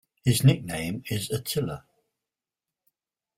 His nickname is "Attila".